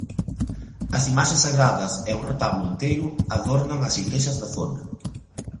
As imaxes sagradas e un retablo enteiro adornan as igrexas da zona.